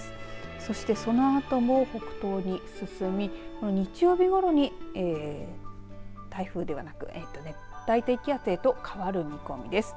そして、そのあとも北東に進み日曜日ごろに台風ではなく熱帯低気圧へと変わる見込みです。